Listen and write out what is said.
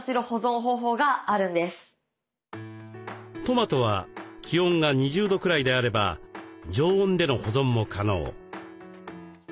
トマトは気温が２０度くらいであれば常温での保存も可能。